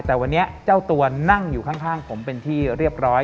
แต่วันนี้เจ้าตัวนั่งอยู่ข้างผมเป็นที่เรียบร้อย